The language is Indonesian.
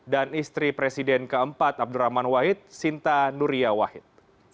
dan istri presiden ke empat abdurrahman wahid sinta nuria wahid